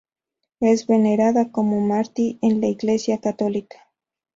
Es venerada como mártir en la Iglesia católica.